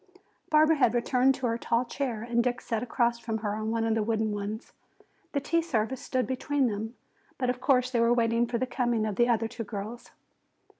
Barbara had returned to her tall chair and Dick sat across from her on one of the wooden ones. The tea service stood between them, but of course they were waiting for the coming of the other two girls.